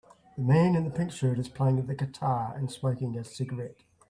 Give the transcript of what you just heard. The man in the pink shirt is playing the guitar and smoking a cigarette.